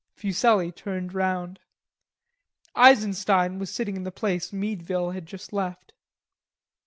Fuselli turned round. Eisenstein was sitting in the place Meadville had just left.